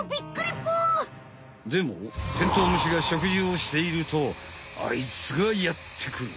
でもテントウムシが食事をしているとあいつがやってくる！